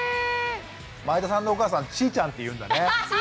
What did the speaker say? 前田さんのお母さんチーちゃんっていうんだね。